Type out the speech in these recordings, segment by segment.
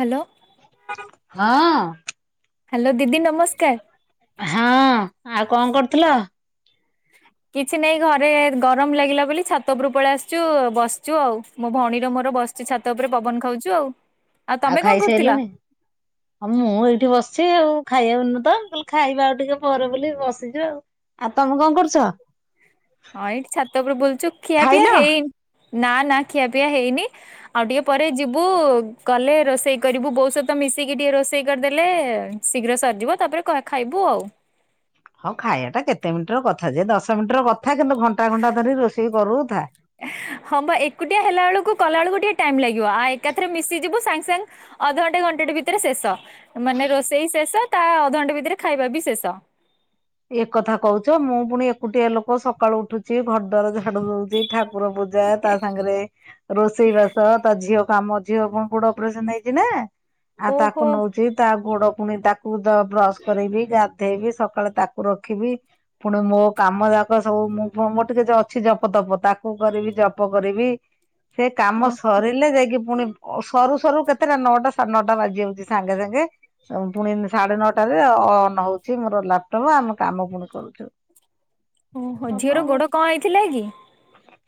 Hello ହଁ। Hello ଦିଦି ନମସ୍କାର।। ହଁ ଆଉ କଣ କରୁଥିଲ? ହ [unintelligible] କିଛି ନାଇଁ ଘରେ ଗରମ ଲାଗିଲା ବୋଲି ଛାତ ଉପରୁ ପଳେଇ ଆସଛୁ ବସଛୁ ଆଉ ମୋ ଭଉଣୀରେ ମୋର ବସ ଆ ଛାତ ଉପରେ ପବନ ଖାଉଛୁ ଆଉ। ତମେ ଆଉ କଣ କରୁଥିଲ? ଖାଇସାରିଲୁଣି ମୁଁ ଏଇଠି ବସିଛି ଆଉ ଖାଇବାକୁ ତ ବଲେ ଖାଇବା ଆଉ ଟିକେ ପରେ ବୋଲି ବସିଯିବା ଆଉ। ଆଉ ତମେ କଣ କରୁଛ? ହଁ ଏଇଠି ଛାତ ଉପରୁ ବୁଲୁଛୁ ଖିଆ ପିଆ ଖାଇଲ? ହେଇନି। ନା ନା ଖିଆ ପିଆ ହେଇନି ଆଉ ଟିକେ ପରେ ଯିବୁ ଗଲେ ରୋଷେଇ କରିବୁ ବହୁ ସତ ମି ମିଶିକି ଟିକେ ରୋଷେଇ କରିଦେଲେ ଶୀଘ୍ର ସରିଯିବ ତାପରେ ଖାଇବୁ ଆଉ। ହଁ ଖାଇବାଟା କେତେ ମିନିଟର କଥା ଯେ ଦଶ ମିନିଟ ର କଥା କିନ୍ତୁ ଘଣ୍ଟା ଘଣ୍ଟା ଧରି ରୋଷେଇ କରୁଥା। ହବା ଏକୁଟିଆ ହେଲା ବେଳକୁ କଲା ବେଳକୁ ଟିକେ ଟାଇମ ଲାଗିବ ଏକଥରେ ମିଶିଯିବୁ ଅଧଘଣ୍ଟେ ଘଣ୍ଟାଟେ ଭିତରେ ଶେଷ ମାନେ ରୋଷେଇ ଶେଷ ତା ଅଧଘଣ୍ଟେ ଭିତରେ ଖାଇବା ବି ଶେଷ। ଏକଥା କହୁଛ ମୁଁ ପୁଣି ଏକୁଟିଆ ଲୋକ ସକାଳୁ ଉଠୁଛି। ଘରଦ୍ୱାର ଝାଡୁ ଦଉଚି ଠାକୁର ପୂଜା ତାସାଙ୍ଗରେ ରୋଷେଇ ବାସ ତା ଝିଅ କାମ ଝିଅ କଣ ଗୋଡ ଅପରେସନ ହେଇଛି ନା ଆଉ ଓହୋ ତାକୁ ନଉଛି ତା ଗୋଡ ପୁଣି ତାକୁ ବ୍ରସ୍ କରେଇବି ଗାଧେଇବି ସକାଳେ ତାକୁ ରଖିବି ପୁଣି ମୋ କାମ ଯାକ ସବୁ ମୁଁ ମୋର ଟିକେ ଅଛି ଜପ ତପ ତାକୁ କରିବି ଜପ କରିବି ସେ କାମ ଓ ସରିଲେ ଯାଇକି ପୁଣି ସରୁ ସରୁ କେତେଟା ନଅଟା ସାଢେ ନଅଟା ବାଜି ଯାଉଛି ସାଙ୍ଗେ ସାଙ୍ଗେ ପୁଣି ସାଢେ ନଅଟାରେ ଅନ ହଉଛି ମୋର ଲାପଟପ୍ ଆମେ କାମ ପୁଣି କରୁଛୁ। ଓହ ଆଉ କଣ ଝିଅର ଗୋଡ କରିବୁ କଣ ହେଇଥିଲା କି?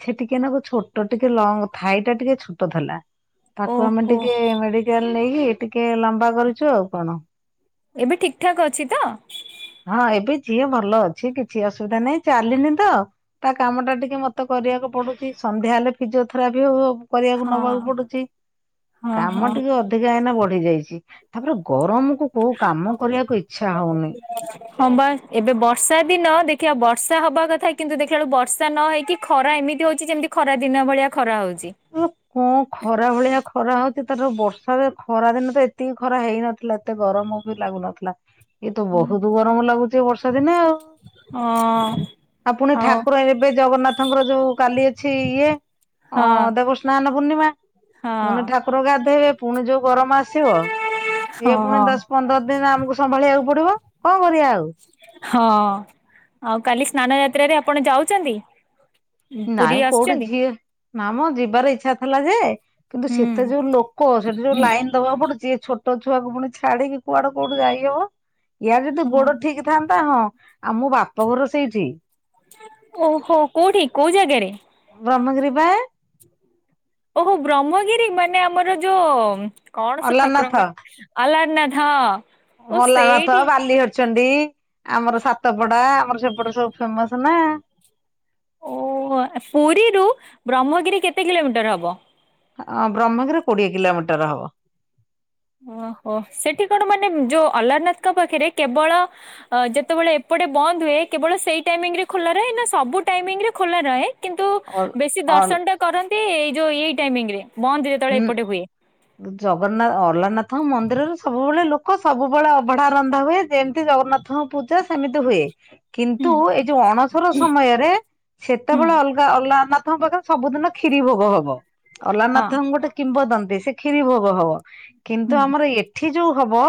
ସେ ଟିକେ ନାକୁ ଛୋଟ ଟିକେ ଲଙ୍ଗ ଥାଇ ଟା ଟିକେ ଛୋଟ ଥିଲା। ତାକୁ ଆମେ ଓହୋ ଟିକେ ମେଡିକାଲ ନେଇକି ଟିକେ ଟିକେ ଲମ୍ବା କରୁଛୁ ଆଉ କଣ। ଏବେ ଠିକ ଠାକ୍ ଅଛି ତ? ହଁ ଏବେ ଝିଏ ଭଲ ଅଛି କିଛି ଅସୁବିଧା ନାହିଁ ଚାଲିନି ତ ତା କାମ ଟା ଟିକେ ମତେ କରିବାକୁ ପଡ ଛି ସନ୍ଧ୍ୟା ହେଲେ ଫିଜିଓଥେରାପି ହବ। କରିବାକୁ ହଁ ନବାକୁ ପଡୁଛି ହଁ କାମ ହଁ ଟିକେ ଅଧିକା ଏଇନା ବଢି ଯାଇଛି। ତାପରେ ଗରମ କୁ କୋଉ କାମ କରିବାକୁ ଇଛା ହଉନି। ହଁ ବା ଏବେ ବର୍ଷା ଦିନ ଦେଖିବା ବର୍ଷା ହବାକଥା କିନ୍ତୁ ଦେଖିଲାବଳକୁ ବର୍ଷା ନ ହେଇକି ଖରା ଏମିତି ହଉଛି ଯେମିତି ଖରା ଦିନ ଭଳିଆ ଖରା ହଉଛି। ଆ କଣ ଖରା ଭଳିଆ ଖରା ହଉଛି। ତାର ବର୍ଷା ଖରା ଦିନ ତ ଏତିକି ଖରା ହେଇନଥିଲା ଏତେ ଗରମ ବି ଲାଗୁନଥିଲା। ଏଇ ତ ବହୁତ ଗରମ ଲାଗୁଚ ବର୍ଷା ଦିନେ ଆଉ। ହଁ ଆଉ ପୁଣି ଠାକୁର ଏବେ ଜଗନ୍ନାଥଙ୍କର ଯୋଉ କାଲି ଅଛି ଇଏ ହଁ ଅ ସ୍ନାନ ପୂର୍ଣିମା ପୁଣି ହଁ ଠାକୁର ଗାଧୋଇବେ ପୁଣି ଯୋଉ ଗରମ ଆସିବ ସିଏ ପୁଣି ହଁ। ଦଶ ପନ୍ଦର ଦିନ ଆମକୁ ସମ୍ଭାଳିବାକୁ ପଡିବ କଣ? କରିବା ଆଉ। ହଁ ଆଉ କାଲି ସ୍ନାନ ଯାତ୍ର ରେ ଆପଣ ଯାଉଛନ୍ତି? ପୁରୀ ନାଇଁ କୋଉଠି ଆସୁଛନ୍ତି? ଝିଏ ନାମ ଯିବାର ଇଚ୍ଛା ଥିଲା ଯେ? କିନ୍ତୁ ସେତେ ହୁଁ ଯୋଉ ଲୋକ ସେଠି ଯୋଉ ଲାଇନ ଦବାକୁ ପଡୁଛି। ଛୋଟ ଛୁଆକୁ ପୁଣି ଛାଡିକି କୁଆଡେ କୋଉଠୁ ଯାଇହବ ୟାର ଯଦି ହଁ ଗୋଡ ଠିକ ଥାନ୍ତା ହଁ ଆଉମୋ ବାପଘର ସେଇଠି। ଓହୋ କୋଉଠି କୋଉ ଜାଗାରେ? ବ୍ରହ୍ମଗିରି ବା? ଓହୋ ବ୍ରହ୍ମଗିରି ମାନେ ଆମର ଯୋଉ କଣ ସେ ଠାକୁରଙ୍କ ଆଲା ନାହଁ। ମଲା ଭାତବାଲି ହରିଛନ୍ତି। ଏଇ ଆମର ସାତପଡା ଆମର ସେପଟେ ସବୁ ଫେମସ ନା। ଓ ପୁରୀରୁ ବ୍ରହ୍ମଗିରି କେତେ କିଲୋମିଟର ହବ? ହଁ ବ୍ରହ୍ମଗିର କୋଡିଏ କିଲୋମିଟର ହବ। ଓହୋ ସେଠି କଣ ମାନେ ଯୋଉ ଅ୍ଲାରନାଥଙ୍କ ପାଖରେ କେବଳ ଯେତେବେଳେ ଗୋଟେ ବନ୍ଦ ହୁଏ କେବଳ ସେଇ ଟାଇମ ରେ ଖୋଲା ରହେ ନା ସବୁ ଟାଇମିଂ ରେ ଖୋଲା ର କିନ୍ତୁ ଅଲ ବେଶୀ ଦର୍ଶନ ଅଲ ଟା କରନ୍ତି ଏଇ ଯୋଉ ଏଇ ଟାଇମିଂରେ ମନ୍ଦିର ତଳେ ଏପଟେ ହୁଏ। ହଁ ମନ୍ଦିରରୁ ସବୁବେଳେ ଲୋକ ସବୁବେଳେ ଅଭଢା ରନ୍ଧା ହୁଏ ଯେମିତି ଜଗନ୍ନାଥଙ୍କ ପୂଜା ସେମିତି ହୁଏ। ହୁଁ କିନ୍ତୁ ଏଇ ଯୋଉ ଅଣସର ସମୟରେ ହୁଁ ସେତେବେଳେ ଅଲଗା ଅଲଗ ତାଙ୍କ ପାଖରେ ସବୁଦିନ କ୍ଷୀରି ଭୋଗ ହବ ହଁ ଅଲାନାଥଙ୍କୁ ଗୋଟେ କିମ୍ବଦନ୍ତୀ ସେ କ୍ଷୀରି ଭୋଗ ହ ହୁଁ କିନ୍ତୁ ଆମର ଏଠି ଯୋଉ ହବ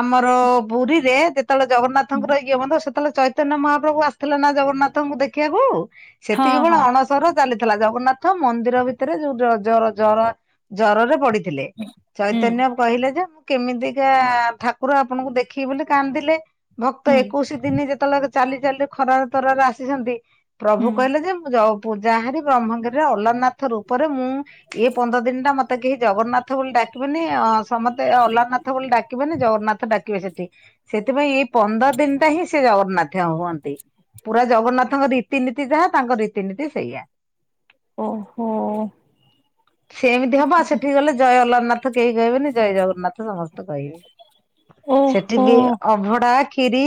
ଆମର ପୁରୀରେ ସେତେବେଳେ ହୁଁ ଜଗନ୍ନାଥଙ୍କୁ ରଇକି ସେତେବେଳେ ଚୈତନ୍ୟ ମହାପ୍ରଭୁ ଆସିଥିଲେ ନା ଜଗନ୍ନାଥଙ୍କୁ ଦେଖିବାକୁ ହଁ ସେତିକି ଭେଳେ ହଁ ଅଣସର ଚାଲିଥିଲା ଜଗନ୍ନାଥ ମନ୍ଦିର ଭିତରେ ଯୋଉ ଜ ଜର ଜରରେ ପଡିଥିଲେ ହୁଁ ଚୈତନ୍ୟ କହିଲେ ଯେ କେମିତିକା ଠାକୁର ଆପଣଙ୍କୁ ଦେଖିବି ବୋଲି କାନ୍ଦିଲେ ଭକ୍ତ ହୁଁ ଏକୋଇଶି ଦିନ ଯେତେବେଳେ ଚାଲି ଚାଲି ଖରାରେ ତରାରେ ଆସିଛନ୍ତି ପ୍ରଭୁ ହୁଁ କହିଲେ ଯେ ମୁଁ ଯଉ ପୂଜା ହାରି ବ୍ରହ୍ମଗିରିରେ ଅଲରନାଥ ରୂପରେ ମୁଁ ଏଇ ପନ୍ଦର ଦିନ ଟା ମତେ କେହି ଜଗନ୍ନାଥ ବୋଲି ଡାକିବେନି ଅ ସମସ୍ତତେ ଅଲାନନାଥ ବୋଲି ଡାକିବେନି ଜଗନ୍ନା ନାଥ ଡାକିବେ ସେଠି ସେଥିପାଇଁ ଏଇ ପନ୍ଦର ଦିନଟା ହିଁ ସିଏ ଜଗନ୍ନାଥେ ହୁଅନ୍ତି। ପୁରା ଜଗନ୍ନାଥଙ୍କ ରୀତିନୀତି ଯାହା ତାଙ୍କ ରୀତିନୀତି ସେଇଆ। ଓହୋ। ସେ ଏମିତି ହବ। ଆଉ ସେଠିକି ଗଲେ ଜୟ ଅଲାରନାଥ କେହି କହିବେନି ଜୟେ ଜଗ ନାଥ ସମସ୍ତେ କହିବେ। ସେଠି ଓହୋ ବି ଅଭଡାଆ ଖିରି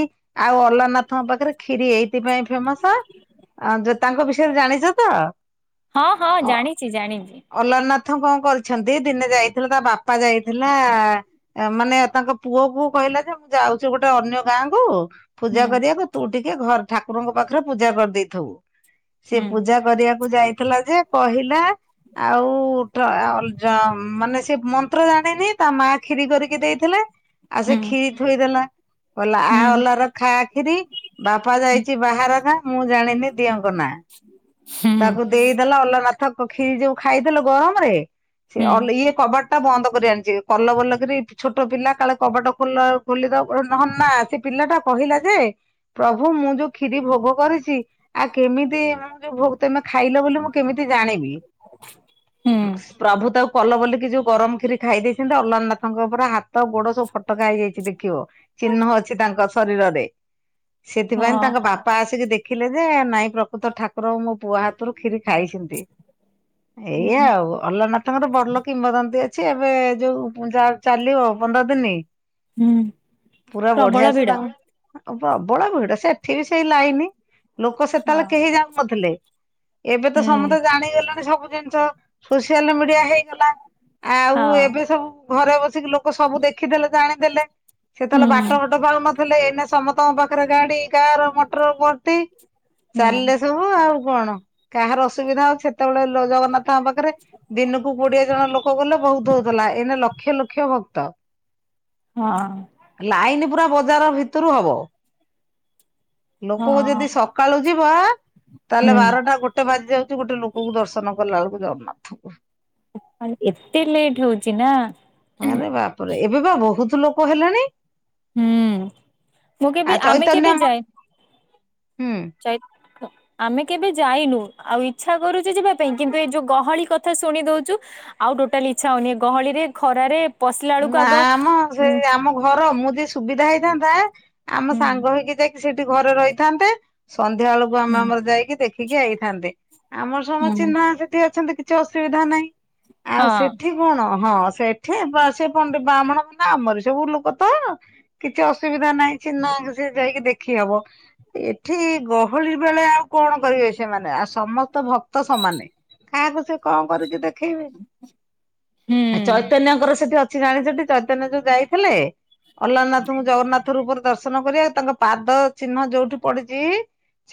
ଆଉ ଅଲନାଥଙ୍କ ପାଖରେ ଖିରି ଏଇଥିପାଇଁ ଫେମସ ଆ ଯେ ତାଙ୍କ ବିଷୟରେ ଜାଣିଛ ତ? ହଁ ହଁ ଜାଣିଚି ଜାଣିଚି। ହଲାରନାଥ କଁ କରିଛନ୍ତି। ଦିନେ ଯାଇଥିଲା ତା ବାପା ଯାଇଥିଲା ଆ ମାନେ ତାଙ୍କ ପୁଅ କୁ କହିଲା ଯେ ମୁଁ ଯାଉଛି ଗୋଟେ ଅନ୍ୟ ଗାଁଆ କୁ ହୁଁ ପୂଜା କରିବାକୁ ତୁ ଟିକ୍ ୟେ ଘର ଠାକୁରଙ୍କ ପାଖରେ ପୂଜା କରିଦେଇଥବୁ ସେ ହୁଁ ପୂଜା କରିବାକୁ ଯାଇ ଥିଲା ଯେ କହିଲା। ଆଉ ଟ୍ର ଅ ଜ ମାନେ ସେ ମନ୍ତ୍ର ଜାଣିନି। ତା ମା ଖିରି କରିକି ଦେଇଥିଲେ ଆଉ ହୁଁ ସେ ଖିରି ଥୋଇଦେଲା। ଓଲା ଆ ହୁଁ ଓଲାର ଖା ଖିରି ବାପା ଯାଇଛି ବାହାର ଗା ମୁଁ ଜାଣିନି ଦିଅଙ୍କ ନା ହୁଁ ତାକୁ ଦେଇଦେଲ ଅଲନାଥ କ ଖିରି ଯୋଉ ଖାଇଦେଲ ଗରମରେ ସେ ହୁଁ ଅଲ୍ ଇଏ କବା ଟା ବନ୍ଦ କରି ଆଣିଚି କଲ ବଲ କିରି ଛୋଟ ପିଲା କାଳେ କବାଟ ଖୋଲ ଖୋଲିଦବ୍ ହଁ ନାଁ ସେ ପିଲା ଟା କହିଲା ଯେ ପ୍ରଭୁ ମୁଁ ଯୋଉ କ୍ଷିରି ଭୋଗ କରିଚି ଆ କେମିତି ମୁଁ ଯେ ତେମେ ଖାଇଲ ବୋଲି ମୁଁ କେମିତି ଜାଣିବି ହୁଁ ପ୍ରଭୁ ତାକୁ କଲ ବୋଲିକି ଯୋଉ ଗରମ କ୍ଷୀରି ଖାଇଦେଇଛନ୍ତି ଅଲରାନାଥଙ୍କ ଉପରେ ହାତ୍ ତ ଗୋଡ ସବୁ ଫୋଟକା ହେଇଯାଇଛି। ଦେଖିବ ଚିହ୍ନ ଅଛି ତାଙ୍କ ଶରୀରରେ। ସେଥିପାଇଁ ହଁ ତାଙ୍କ ବାପା ଆସିକି ଦେଖିଲେ ଯେ ନାଇଁ ପ୍ରକୃତ ଠାକୁର ପୁଅ ହାତରୁ କ୍ଷୀରି ଖାଇଛନ୍ତି ଏଇଆ ଆଉ ଅଲ ନା ତାଙ୍କର ଭଲ କିମ୍ବଦନ୍ତୀ ଅଛି ଏବେ ଯୋଉ ପୁଁଜା ଆଉ ଚାଲିବ ପନ୍ଦର ଦିନି ହୁଁ ପୁରା ବଢିଆ ପ୍ରବଳ ସେ ଭିଡ ତାଙ୍କ୍ ଓ ପବଳ ଭିଡ ସେଠି ବି ସେଇ ଲାଇନି ଲୋକ ହଁ। ସେତଳେ କେହି ଯାଉନଥିଲେ। ଏବେ ତ ସମତେ ହୁଁ ଜାଣିଗଲେଣି ସବୁ ଜିନିଷ ସୋସିଆଲ ମିଡିଆ ହେଇ ଗଲା ଆଉ ହଁ ଏବେ ସବୁ ଘରେ ବସିକି ଲୋକ ସବୁ ଦେଖିଦେଲେ ଜାଣିଦେଲେ। ସେତଲେ ବାଟ ହୁଁ ଘଟ ପାଉନଥିଲେ ଏଇନେ ସମତଙ୍କ ପାଖରେ ଗାଡି କାର ମଟର ଭର୍ତି ହୁଁ ଚାଲିଲେ ସବୁ ଆଉ। କଣ କାହାର ଅସୁବିଧା ଆଉ ସେତେବେଳେ ଲୋ ଜଗନ୍ନାଥ୍ ତା ପାଖରେ ଦିନକୁ କୋଡିଏ ଜଣ ଲୋକ ଗଲେ ବହୁତ ହଉଥିଲା ଏଇନେ ଲକ୍ଷ୍ କ୍ଷ ଲକ୍ଷ ଭକ୍ତ। ହଁ। ଲାଇନ ପୁରା ବଜାର ଭିତରୁ ହବ। ଲୋକକୁ ହଁ ଯଦି ସକାଳୁ ଯିବ ତାହେଲେ ହୁଁ ବାରଟା ଗୋଟେ ବାଜି ଯାଉଛି ଗୋଟେ ଲୋକକୁ ଦର୍ଶନ କଲା ଏଳକୁ ଜଗନ୍ନାଥଙ୍କୁ। ସକାଳୁ ଏତେ ଲେଟ୍ ହୋଉଚି ନା ଆରେ ବାପରେ ଏବେ ବା ବହୁତ ଲୋକ ହେଲେଣି। ହୁଁ ମୁଁ କେବେ ଆଉ ଆମେ କେବେ ଚୈତନ୍ୟ ମା ଯାଇନୁ। ହୁଁ ଚାଇ [unintelligible] ଆମେ କେବେ ଯାଇନୁ। ଆଉ ଇଛା କରୁଚି ଯିବା ପାଇଁ କିନ୍ତୁ ଏ ଯୋଉ ଗହଳି କଥା ଶୁଣି ଦୋଉଚୁ ଆ ଏ ଗହଳିରେ ଖରାରେ ପଶିଲା ବେଳକୁ ଆଗ ନାମ ସେ ହୁଁ ଆମ ଘର। ମୁଁ ଯିଏ ସୁବିଧା ହେଇଥାନ୍ତା ଆମ ହୁଁ ସାଙ୍ଗ ହେଇକି ଯାଇକି ସେଠି ଘରେ ରହିଥାନ୍ତେ ସନ୍ଧ୍ୟା ବେଳକୁ ଆମେ ହୁଁ ଆମର, ଯାଇକି ଦେଖିକି ଆଇଥାନ୍ତେ। ଆମର ସମସ୍ତ ହୁଁ ଚିହ୍ନା ସେଠି ଅଛ କିଛି ଅସୁବିଧା ନାହିଁ। ଆଉ ହଁ ସେଠି କଣ ହଁ ସେଠି ସେ ପଣ୍ଡେ ବ୍ରାହ୍ମଣ ନା ଆମର ସବୁ ଲୋକ ତ କିଛି ଅସୁବିଧା ନାଇଁ ନା ଚିହ୍ନା ଆଗେ ସେ ଯାଇକି ଖୀ ହବ ଏଠି ଗହଳି ବେଳେ ଆଉ କଣ କରିବେ ସେମାନେ, ଆଉ ସମସ୍ତ ଭକ୍ତ ମାନେ କାହାକୁ ସେ କଣ କରିକି ଦେଖେଇବେ, ହୁଁ ଆ ଚୈତନ୍ୟଙ୍କର ସେଠି ଅ ସେଠି ଚୈତନ୍ୟ ଯୋଉ ଯାଇଥିଲେ। ଅଲ୍ନାଥଙ୍କୁ ଜଗନ୍ନାଥ ରୂପରେ ଦର୍ଶନ କରିବାକୁ ତାଙ୍କ ପାଦ ଚିହ୍ନ ଯୋଉଠି ପଡିଚି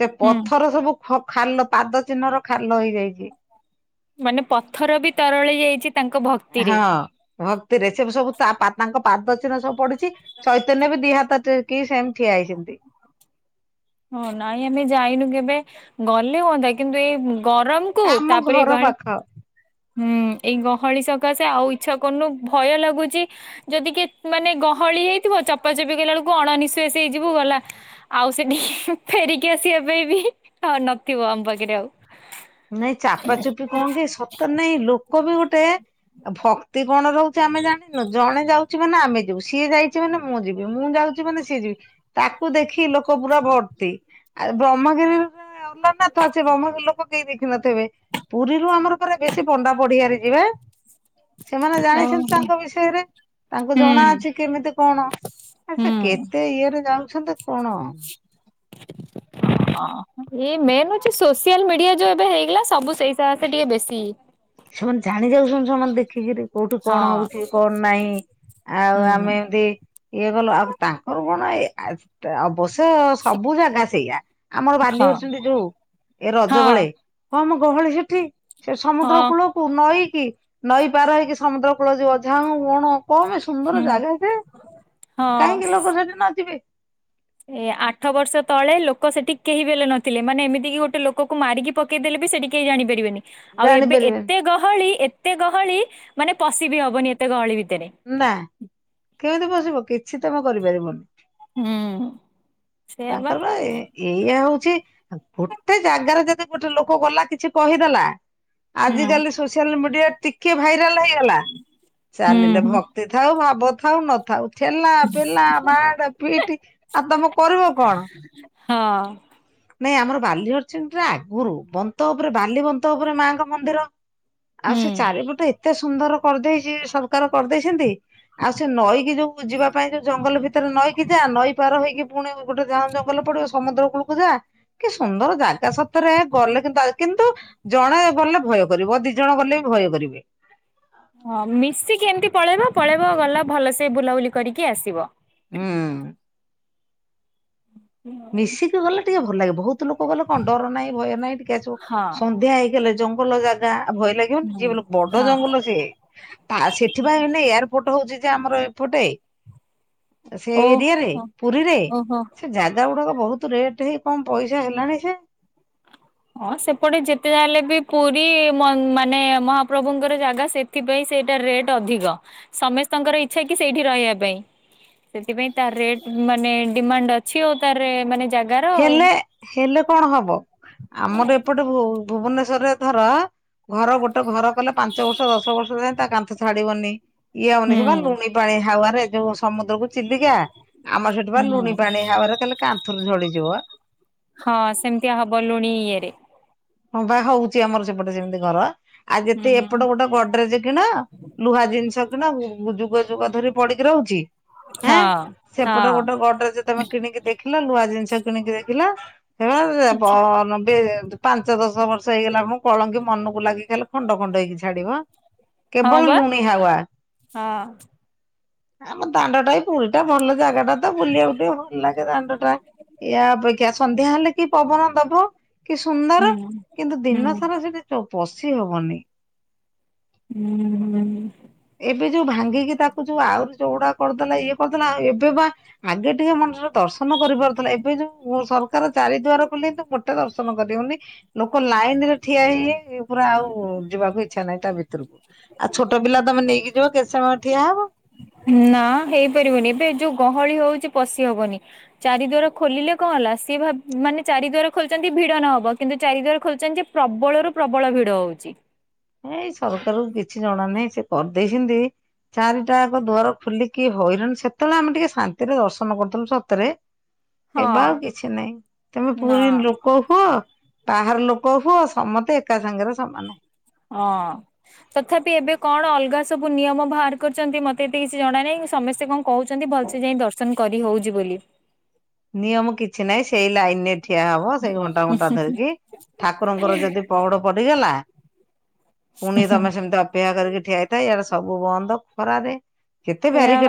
ସେ ହୁଁ ପଥର ସବୁ ଖାଲ ପାଦ ଚିହ୍ନ ର ଖାଲ ହେଇଯାଇଚି। ମାନେ ପଥର ବି ତରଳି ଯାଇ ହଁ ଭକ୍ତିରେ ସେ ସବୁ ତା ପାଦ ପାଦ ଚି଼ହ୍ନ ସବୁ ପଡିଚି, ଚୈତନ୍ୟ ବି ଦି ହାତ ଟେକୀକି ସେମିତି ଠିଆ ହେଇଛନ୍ତି। ହଁ ନାଇଁ ଆମେ ଯାଇନୁ କେବେ ଗଲେ ହୁଅନ୍ତା। କିନ୍ତୁ ଏଇ ଗରମ କୁ ଆମ ତାପରେ ଘର ଗ ପାଖ ହୁଁ ଏଇ ଗହଳି ସକାଶେ ଆଉ ଇଚ୍ଛା କରୁନୁ ଭୟ ଲାଗୁଛି। ଯଦି କିଏ ମାନେ ଗ୍ ହଳି ହେଇଥିବ ଚପା ଚପି କଲା ବେଳକୁ ଅଣନିଶ୍ୱାସୀ ହେଇଯିବ। ଗଲା ଆଉ ସେଠି ଫେରିକି ଆସି ଏବେ ବି ଆଉ ନଥିବ ଆମ ପାଖରେ ଆଉ। ନାଇଁ ଚାପା ଚୁପି କଣ କି ସତ ନାଇଁ ଲୋକ ବି ଗୋଟେ ଆଉ ଭକ୍ତି କଣ ରୋହୁଚି। ଆମେ ଜାଣିନୁ, ଜଣେ ଯାଉଚି ମାନେ ଆମେ ଯିବୁ, ସିଏ ଯାଇଚି ମାନେ ମୁଁ ଯିବି, ମୁଁ ଯାଉ ମାନେ ସିଏ ଯିବ ତାକୁ ଦେଖି ଲୋକ ପୁରା ଭର୍ତ୍ତି ଆ ବ୍ରହ୍ମଗିରି ନା ତା ସେ ଭ୍ରମଗିରି ଲୋକ କେହି ଦେଖିିନଥିବେ ପୁରୀରୁ ଆମର ପୁରା ବେଶୀ ପଣ୍ଡା ପଡିଆରେ ଯିବେ ସେମାନେ ଜାଣିଛନ୍ତି ଓହୋ ତାଙ୍କ ବିଷୟରେ, ତାଙ୍କୁ ହୁଁ। ଜଣାଅଛି କେମିତି କଣ ଆଛା ହୁଁ କେତେ ଇଏରେ ଯାଉଛନ୍ତି କଣ। [inaudible] ହଁ ମ ଏଇ ମେନ୍ ହୋଉଚି ସୋସିଆଲ ମିଡିଆ ଯୋଉ ଏବେ ହେଇଗଲା। ସବୁ ସେଇ ସକାଶେ ଟିକେ ବେଶୀ ସେମାନେ ଜାଣି ଯାଉଛନ୍ତି ଯୋଉମାନେ ଦେଖିକିରି କୋଉଠି ହଁ କଣ ହୋଉଚି କଣ ନାହିଁ। ଆଉ ହୁଁ ଆମେ ଏମତି ଇଏ କଲୁ ଆଉ ତାଙ୍କର କଣ ଇଏ ଆ ଷ୍ଟ୍ରା ଅପ୍ ତ ସବୁ ଜାଗା ସେଇଆ ଆମର ହଁ ବାଲିହରିଚଣ୍ଡୀ ଯୋଉ ଏ ହଁ ରଜ ବଳେ କମ ଗହଳି ସେଠି ସେ ସମୁଦ୍ରକୁ ହଁ କୁ ନଈକି ନଈ ପାର ହେଇକି ସମୁଦ୍ର କୂଳ ଯିବ ଝାଉଁ ବଣ କମ ସୁନ୍ଦର ହୁଁ ଜାଗା ସେ। ହଁ। କାହିଁକି ଲୋକ ସେଠି ନ ଯିବେ ଏ ଆଠ ବର୍ଷ ତଳେ, ଲୋକ ସେଠିକ କେହି ବି ହେଲେ ନଥିଲେ। ମାନେ ଏମିତି କିି ଗୋଟେ ଲୋକକୁ ମାରିକି ପକେଇଦେଲେ ସେଠି କେ ଜାଣିପାରିବେନି। ଆଉ ଏବେ ଜାଣିପାରିବେନି ଏତେ ଗହଳି, ଏତେ ଗହଳି ମାନେ ପଶିିବି ହବନି ଏତେ ଗହଳି ଭିତରେ ନା କେମିତି ପଶିବ କିଛି ତମେ କରିପାରିବନି। ହୁଁ ସେଇଆ ବା ତାଙ୍କର ପରା ଏଇଆକୁ ଗୋଟେ ଜାଗାରେ ଯଦି, ଗୋଟେ ଲୋକ ଗଲା କିଛି କହିଦେଲା ହୁଁ ଆଜି କାଲି ସୋସିଆଲ ମିଡିଆ ଟିକେ ଭାଇରାଲ ହେଇଗଲା ଚାଲିଲେ ହୁଁ ଭକ୍ତି ଥାଉ ଭାବ ଥାଉ ନଥାଉ। ଠେଲା ପେଲା ମାଡ ପିଇଟି ଆଉ ତମ କରିବ କଣ ହଁ। ନାଇଁ ଆମର ବାଲିହରିଚଣ୍ଡୀ ରେ ଆଗରୁ ବନ୍ତ ଉପରେ ବାଲି ବନ୍ତ ଉପରେ ମାଙ୍କ ମନ୍ଦିର ଆଉ ହୁଁ ସେ ଚାରିପଟେ ଏତେ ସୁନ୍ଦର କରିଦେଇଚି ସରକାର କରିଦେଇଛନ୍ତି। ଆଉ ସେ ନଈକି ଯୋଉ ଯିବା ପାଇଁ, ଯୋଉ ଜଙ୍ଗଲ ଭିତରେ ନଈକି ଯା, ନଈ ପାର ହେଇକି ପୁଣି ଗୋଟେ ଝାଉଁ ଜଙ୍ଗଲ ପଡ଼ିବ ସମୁଦ୍ର କୂଳକୁ ଯା, କି ସୁନ୍ଦର ଜାଗା ସତରେ, ଗଲେ କିନ୍ତୁ କିନ୍ତୁ ଜଣେ ଗଲେ ଭୟ କରିବ। ଦିଇ ଜଣ ଗଲେ ବି ଭୟ କରିବେ ହଁ ମିଶିକି ଏମିତି ପଳେଇବ, ପଳେଇବ ଗଲା ଭଲସେ ବୁଲାବୁଲି କରିକି ଆସିବ। ହୁଁ। ମିଶିକି ଗଲେ ଟିକେ ଭଲ ଲାଗେ ଲୋକ ଗଲେ କଣ ଡର ନାହିଁ ଭୟ ନାହିଁ ଟିକେ ଆସିବ ହଁ ସନ୍ଧ୍ୟା ହେଇଗଲେ ଜଙ୍ଗଲ ଜାଗା ଆଉ ଭୟ ଲାଗିବନ ହୁଁ ଯିଏ ବଡ ହଁ ଜଙ୍ଗଲ ସିଏ ତା ସେଥିପାଇଁ ଏୟାରପୋର୍ଟ ହୋଉଚି ଯେ ଆମର ଏପଟେ ସେ ଓ ଏରିଆରେ ପୁରୀରେ ଓହୋ ସେ ଗୁଡାକ ବହୁତ ରେଟ ହେଇ କମ ପଇସା ହେଲାଣି ସେ ହଁ ସେପଟେ ଯେତେ ଯଲେ ବି ପୁରୀ ମାନେ ମହାପ୍ରଭୁଙ୍କର ଜାଗା ସେଥିପାଇଁ ସେଇଟା ରେଟ୍ ଅଧିକ। ସମସ୍ତଙ୍କର ଇଚ୍ଛା କି ସେଇଠି ରହିବା ପାଇଁ। ସେଥିପାଇଁ ତ ରେ ମାନେ ଡିମାଣ୍ଡ ଅଛି ଆଉ ତାର ମାନେ ଜାଗାର ଆଉ। ହେଲେ ହେଲେ କଣ ହବ। ଆମର ଏପଟେ ବୋ ଭୁବନେଶ୍ଵରରେ ଧର ଘର ଗୋଟେ ଘର କଲେ ପାଞ୍ଚ ବର୍ଷ ଦଶ ବର୍ଷ ଯା ଛାଡିବନି ଇଏ ହଉନି ହୁଁ ସେ ଲୁଣି ପାଣି ହାୱ ରେ ଯୋଉ ସମୁଦ୍ରକୁ ଚିଲିକା ଆମର ସେଠି ବା ହୁଁ ଲୁଣି ପାଣି ହବରେ କହଲେ କାନ୍ଥରୁ ଝଡିଯିବ ହଁ ସେମିତି ହବ ଲୁଣି ଇଏରେ ହଁ ବା ହୋଉଚି ଆମର ସେପଟେ ସେମିତି ଘର ଆଉ ଯେତେ ହୁଁ ଏପଟ ଗୋଟେ ଗଡରେଜ କିଣ ଲୁହା ଜିନିଷ କିଣ ଯୁଗ ଯୁଗ ଧରି ପଡିକି ରୋହୁଚି ହାଁ ହଁ ସେପଟ ହଁ ଗୋଟେ ଗଡରେ ଯେ ତମେ କିଣିକି ଦେଖିଲ ଲୁହା ଜିନିଷ କିଣିକି ଦେଖିଲ? ହେରା ପ୍ ନବେ ପାଞ୍ଚ ଦଶ ବର୍ଷ ହେଇଗଲା ମୁ କଳଙ୍ଗୀ ମନକୁ ଲାଗି ଖଲେ ଖଣ୍ଡ ଖଣ୍ଡ ହେଇକି ଛାଡିବ। ହଁ କେବଳ ବା ଲୁଣି ହାୱା ହଁ। ଆମ ଦାଣ୍ଡ ଟା ପୁରୀ ଟା ଭଲ ଜାଗା ଟା ବୁଲିବାକୁ ଟେ ଭଲ ଲାଗେ ଦାଣ୍ଡ ଟା ୟା ଅପେକ୍ଷା ସନ୍ଧ୍ୟା ହେଲେ କି ପବନ ଦବ କି ସୁନ୍ଦର ହୁଁ କିନ୍ତୁ ହୁଁ ଦିନ ସାରା ସେଠି ଚ ପଶି ହବନି। ହୁଁ ହୁଁ। ଏବେ ଯୋଉ ଭାଙ୍ଗିକି ତାକୁ ଯୋଉ ଆହୁରି ଯୋଡା କରିଦେଲା ଇଏ କରିଦେଲା ଆଉ ଏବେ ବା ଆଗେ ଟିକେ ମଣିଷର ଦର୍ଶନ କରିପାରୁଥିଲା। ଏବେ ଯୋଉ ସରକାର ଚାରିଦୁଆର କଲେନ୍ତୁ ମୋଟେ ଦର୍ଶନ କରିହୋଉନି ଲୋକ ଲାଇନ ରେ ଠିଆ ହେଇ ଇ ପୁରା ଆଉ ଯିବାକୁ ଇଚ୍ଛା ନାହିଁ ତା ଭିତରକୁ ଆଉ ଛୋଟ ପିଲା ତମେ ନେଇକି ଯିବ କେତେ ସମୟ ଠିଆ ହବ। ନା ହେଇପାରିବନି। ଏବେ ଯୋଉ ଗହଳି ହୋଉଚି ପଶି ହବନି ଚାରି ଦରବାର ଖୋଲିଲେ ଖୋଲା ସିଏ ଭାବ ମାନେ ଚାରି ଦ୍ଵାର ଖୋଲିଚନ୍ତି ଭିଡ ନହବ। କିନ୍ତୁ ଚାରି ଦ୍ଵାର ଖୋଲିଚନ୍ତି ଯେ ପ୍ରବଳରୁୁ ପ୍ରବଳ ଭିଡ ହୋଉଚି। ଏ ଏଇ ସରକାରକୁ କିଛି ଜଣା ନାହିଁ। ସେ କରିଦେଇଛନ୍ତି। ଚାରିଟାକ ଦୁଆର ଖୋଲିକି ହଇରାଣ ସେତେବେଳେ ଆମେ ଟିକେ ଶାନ୍ତିରେ ଦର୍ଶନ କରୁଥିଲୁ ସତରେ ହଁ। ଏବେ ଆଉ କିଛି ନହିଁ। ତମେ ନା ପୁରୀ ଲୋକ ହୁଅ ବାହାର ଲୋକ ହୁଅ ସମସ୍ତେ ଏକା ସାଙ୍ଗରେ ସମାନ। ହଁ ତଥାପି ଏବେ କଣ ଅଲଗା ସବୁ ନିୟମ ବାହାର କରିୁଛନ୍ତି ମତେ ଏତେ କିଛି ଜଣା ନାହିଁ। ସମସ୍ତେ କଣ କହୁଛନ୍ତି ଭଲସେ ଯାଇ ଦର୍ଶନ କରି ହୋଉଚି ବୋଲି ନିୟମ କିଛି ନାହିଁ। ସେଇ ଲାଇନରେ ଠିଆ ହବ ସେଇ ଘଣ୍ଟା ଘଣ୍ଟା ଧରିକି ଠାକୁରଙ୍କର ଯଦି ପହଡ ପଡିଗଲା ପୁଣି ତମେ ସେମିତି ଅପେକ୍ଷା କରିକି ଠିଆଇଥା। ଏଇଆଡା ସବୁ ବନ୍ଦ ଖରାରେ କେତେ ସେଇଆ ବ୍ୟାଟିକେଟ